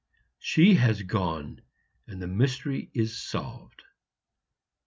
She has gone and the mystery is solved."